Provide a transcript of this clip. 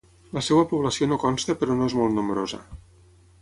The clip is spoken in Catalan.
La seva població no consta però no és molt nombrosa.